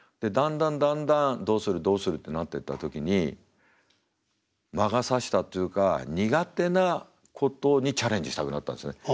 だんだんだんだん「どうするどうする」ってなってった時に魔が差したっていうか苦手なことにチャレンジしたくなったんですね。